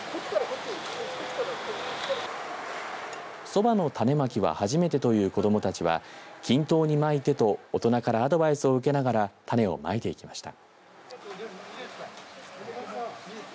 そばの種まきは初めてという子どもたちは均等にまいてと大人からアドバイスを受けながら種をまいていきました。